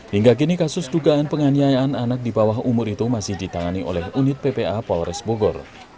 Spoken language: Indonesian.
hingga kini kasus dugaan penganiayaan anak di bawah umur itu masih ditangani oleh unit ppa polres bogor